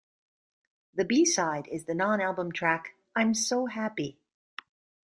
The b-side is the non-album track "I'm So Happy".